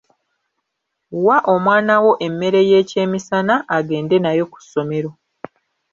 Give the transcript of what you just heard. Wa omwana wo emmere y'ekyemisana agende nayo ku ssomero.